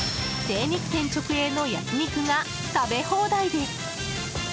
精肉店直営の焼き肉が食べ放題です。